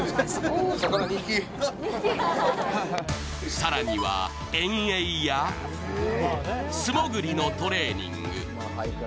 更には、遠泳や素潜りのトレーニング。